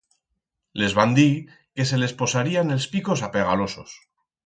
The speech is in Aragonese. Les van dir que se les posarían els picos apegalosos.